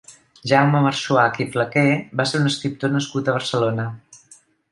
Jaume Marxuach i Flaquer va ser un escriptor nascut a Barcelona.